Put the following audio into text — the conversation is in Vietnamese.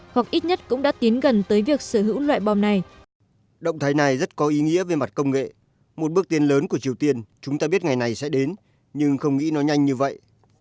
hoặc ít nhất cũng đã tiến gần tới việc sở hữu loại bom này